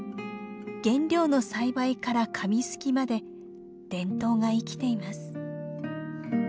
原料の栽培から紙すきまで伝統が生きています。